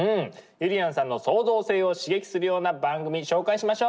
ゆりやんさんの創造性を刺激するような番組紹介しましょ。